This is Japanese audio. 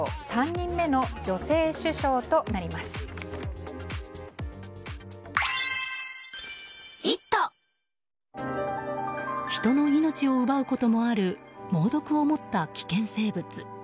人の命を奪うこともある猛毒を持った危険生物。